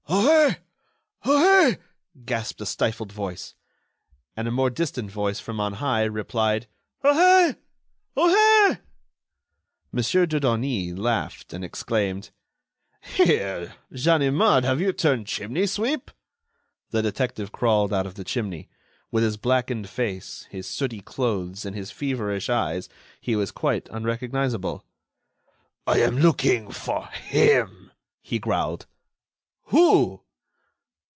"Ohé!... Ohé!" gasped a stifled voice. And a more distant voice, from on high, replied: "Ohé!... Ohé!" Mon. Dudonis laughed, and exclaimed: "Here! Ganimard, have you turned chimney sweep?" The detective crawled out of the chimney. With his blackened face, his sooty clothes, and his feverish eyes, he was quite unrecognizable. "I am looking for him," he growled. "Who?"